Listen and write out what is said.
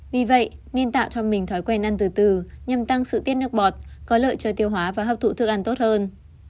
vì vậy nên tạo cho mình thói quen ăn từ từ nhằm tăng sự tiết nước bọt có lợi cho tiêu hóa và hấp thụ thức ăn tốt hơn